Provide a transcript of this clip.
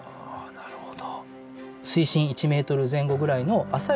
なるほど。